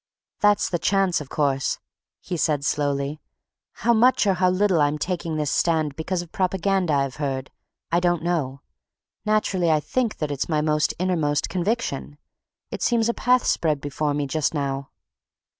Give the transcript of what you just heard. "That's the chance, of course," he said slowly. "How much or how little I'm taking this stand because of propaganda I've heard, I don't know; naturally I think that it's my most innermost conviction—it seems a path spread before me just now."